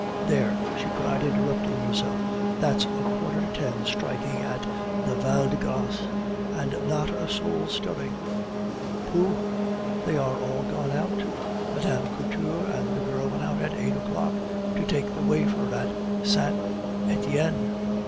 There," she cried, interrupting herself, "that's a quarter to ten striking at the Val de Grace, and not a soul stirring!" "Pooh! they are all gone out. Mme. Couture and the girl went out at eight o'clock to take the wafer at Saint Etienne.